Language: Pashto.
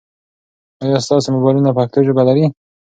آیا ستاسو موبایلونه پښتو ژبه لري؟